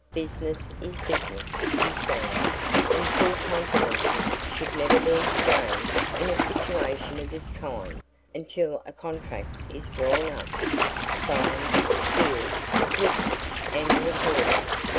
"Business is business, you see, and full confidences should never be exchanged in a situation of this kind until a contract is drawn up, signed, sealed, witnessed, and recorded.